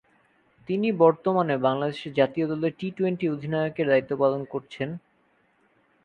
তিনি বর্তমানে বাংলাদেশ জাতীয় দলের টি-টোয়েন্টি অধিনায়কের দায়িত্ব পালন করছেন।